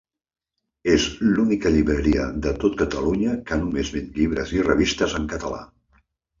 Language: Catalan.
És l'única llibreria de tot Catalunya que només ven llibres i revistes en català.